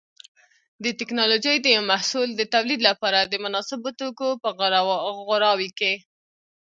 د ټېکنالوجۍ د یو محصول د تولید لپاره د مناسبو توکو په غوراوي کې.